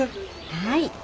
はい。